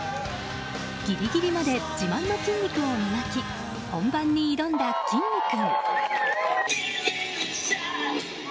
ギリギリまで自慢の筋肉を磨き本番に挑んだ、きんに君。